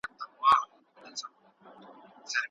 ډاکټران وايي، خلک یوازې د ښکلا لپاره دا ستنې کاروي.